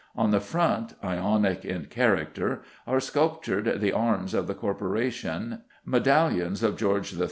On the front, Ionic in character, are sculptured the arms of the corporation, medallions of George III.